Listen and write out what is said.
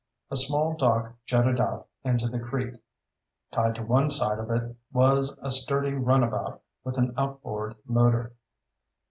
A small dock jutted out into the creek. Tied to one side of it was a sturdy runabout with an outboard motor.